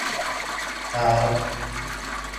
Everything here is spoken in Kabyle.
Teɛreq.